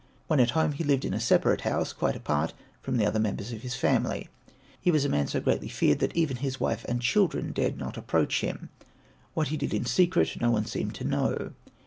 When at home he lived in a separate house, quite apart from the other members of his family. He was a man so greatly feared that even his wife and children dared not approach him. What he did in secret no one seemed to know.